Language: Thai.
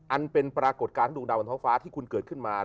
อันเป็นปรากฏการณ์ดวงดาวบนท้องฟ้าที่คุณเกิดขึ้นมา